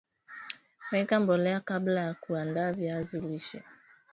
Weka mbolea kabla ya kuanda viazi lishe